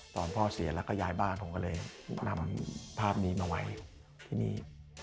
พ่อเสียแล้วก็ย้ายบ้านผมก็เลยนำภาพนี้มาไว้ที่นี่